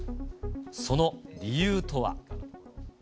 その理由とは。